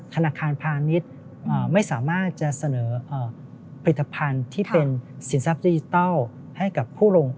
ธนาคารพาณิชย์ไม่สามารถจะเสนอผลิตภัณฑ์ที่เป็นสินทรัพย์ดิจิทัลให้กับผู้ลง